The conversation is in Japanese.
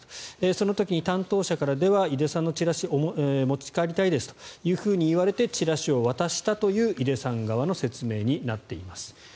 その時に担当者からでは井出さんのチラシを持ち帰りたいですと言われてチラシを渡したという井出さん側の説明になっています。